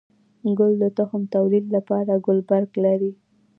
گل د تخم توليد لپاره ګلبرګ لري